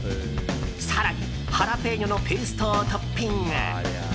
更に、ハラペーニョのペーストをトッピング。